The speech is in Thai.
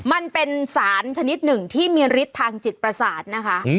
มันเป็นสารชนิดหนึ่งที่มีฤทธิ์ทางจิตประสาทนะคะ